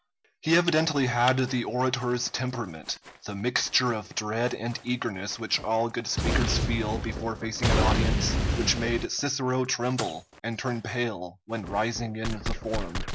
He evidently had the orator's temperament the mixture of dread and eagerness which all good speakers feel before facing an audience, which made Cicero tremble and turn pale when rising in the Forum.